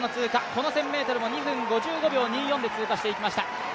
この１０００ｍも２分５４秒２４で通過していきました。